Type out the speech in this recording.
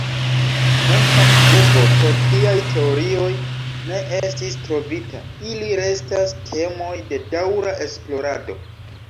Kvankam pruvo por tiaj teorioj ne estis trovita, ili restas temoj de daŭra esplorado.